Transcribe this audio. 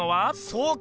そうか！